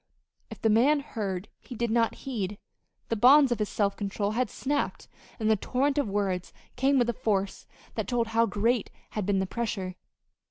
If the man heard, he did not heed. The bonds of his self control had snapped, and the torrent of words came with a force that told how great had been the pressure.